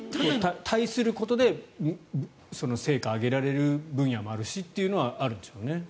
対することで成果を上げられる分野もあるしというのはあるんでしょうね。